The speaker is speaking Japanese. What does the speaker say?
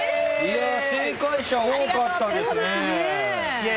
正解者多かったですね。